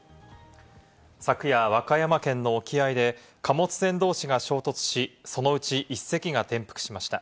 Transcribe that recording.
昨夜、和歌山県の沖合で貨物船同士が衝突し、そのうち１隻が転覆しました。